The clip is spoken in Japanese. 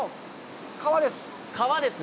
川です。